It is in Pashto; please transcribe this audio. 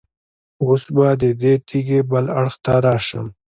اوس به د دې تیږې بل اړخ ته راشم.